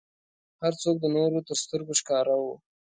هر څوک د نورو تر سترګو ښکاره و.